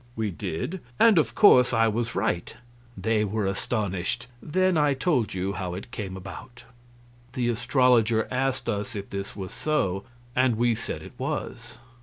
We did, and of course I was right. They were astonished; then I told how it came about." The astrologer asked us if this was so, and we said it was.